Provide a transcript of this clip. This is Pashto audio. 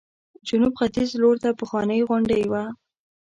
جنوب ختیځ لورته پخوانۍ غونډۍ وه.